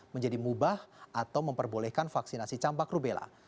menjadi mubah atau memperbolehkan vaksinasi campak rubella